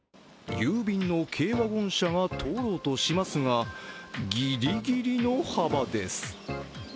郵便の軽ワゴン車が通ろうとしますが、ギリギリの幅です。